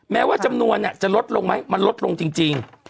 แม้ว่าจำนวนจะลดลงไหมมันลดลงจริง